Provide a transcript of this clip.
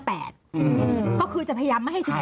อืมอืมอืมอืมอืมก็คือจะพยายามไม่ให้ถึงร้อย